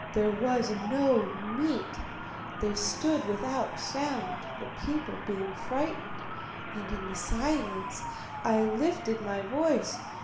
There was no meat. They stood without sound, the people being frightened, and in the silence I lifted my voice.